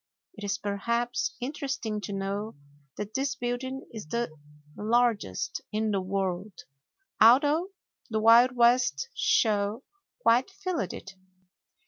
It is, perhaps, interesting to know that this building is the largest in the world, although the Wild West Show quite filled it.